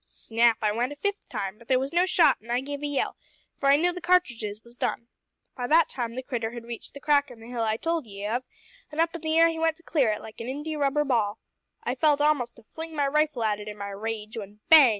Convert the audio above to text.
Snap I went a fifth time; but there was no shot, an' I gave a yell, for I knew the cartridges was done. By that time the critter had reached the crack in the hill I told ye of, an' up in the air he went to clear it, like an Indy rubber ball. I felt a'most like to fling my rifle at it in my rage, when bang!